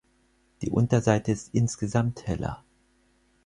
Die Unterseite ist insgesamt heller.